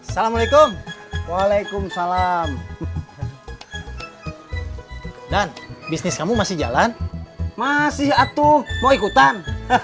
assalamualaikum waalaikumsalam dan bisnis kamu masih jalan masih atuh mau ikutan